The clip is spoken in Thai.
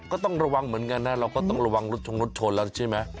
ก็ต้องระวังเหมือนกันนะเราก็ต้องระวังรถชงรถชนแล้วใช่ไหม